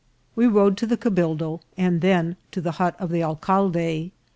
We rode to the cabildo, and then to the hut of the alcalde.